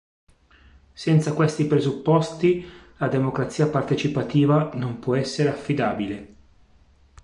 Senza questi presupposti, la Democrazia Partecipativa non può essere affidabile.